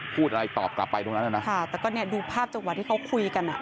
พูดอะไรตอบกลับไปตรงนั้นอ่ะนะค่ะแต่ก็เนี่ยดูภาพจังหวะที่เขาคุยกันอ่ะ